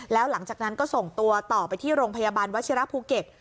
แล้วหลังจากนั้นก็ส่งตัวต่อไปที่โรงพยาบาลวัชิระภูเก็ต